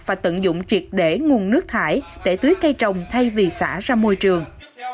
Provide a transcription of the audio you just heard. và tận dụng triệt để nguồn nước thải để tưới cây trồng thay vì xả ra môi trường